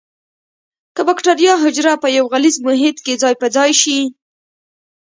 که بکټریا حجره په یو غلیظ محیط کې ځای په ځای شي.